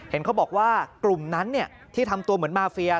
เห็นเขาบอกว่ากลุ่มนั้นที่ทำตัวเหมือนมาเฟีย